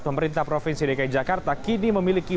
pemerintah provinsi dki jakarta kini memiliki